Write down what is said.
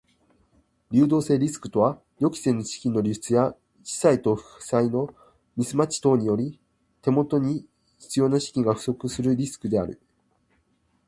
流動性リスクとは予期せぬ資金の流出や資産と負債のミスマッチ等により手元に必要な資金が不足するリスクである。